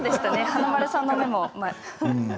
華丸さんの目も。